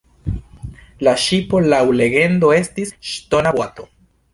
La ŝipo laŭ legendo estis “ŝtona boato”.